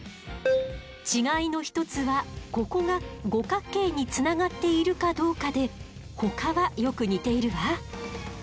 違いの一つはここが五角形につながっているかどうかでほかはよく似ているわ。